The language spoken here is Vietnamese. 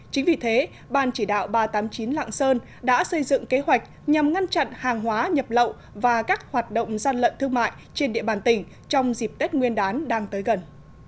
chính vì thế ban chỉ đạo ba trăm tám mươi chín lạng sơn đã xây dựng kế hoạch nhằm ngăn chặn hàng hóa nhập lậu và các hoạt động gian lận thương mại trên địa bàn tỉnh trong dịp tết nguyên đán đang tới gần